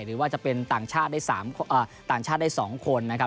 หรือว่าจะเป็นต่างชาติได้๒คนนะครับ